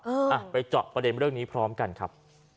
อ่ะไปเจาะประเด็นเรื่องนี้พร้อมกันครับ